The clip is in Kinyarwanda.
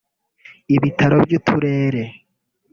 ibitaro by’uturere